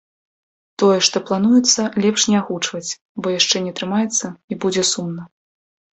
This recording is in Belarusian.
Тое, што плануецца, лепш не агучваць, бо яшчэ не атрымаецца, і будзе сумна.